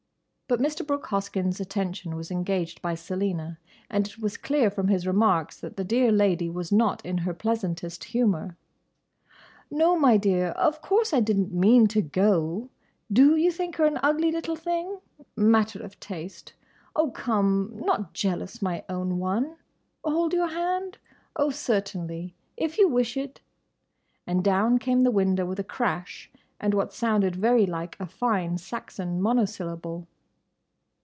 But Mr. Brooke Hoskyn's attention was engaged by Selina, and it was clear from his remarks that the dear lady was not in her pleasantest humour. "No, my dear, of course I did n't mean to go.—Do you think her an ugly little thing?—Matter of taste.—Oh, come! Not jealous, my own one?—Hold your hand?—Oh, certainly, if you wish it!" And down came the window with a crash and what sounded very like a fine Saxon monosyllable.